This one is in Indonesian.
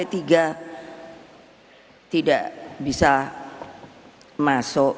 p tiga tidak bisa masuk